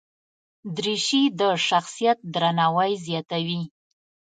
دریشي د شخصیت درناوی زیاتوي.